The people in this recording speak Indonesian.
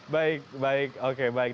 baik baik oke baik